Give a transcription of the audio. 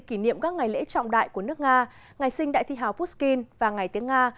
kỷ niệm các ngày lễ trọng đại của nước nga ngày sinh đại thi hào puskin và ngày tiếng nga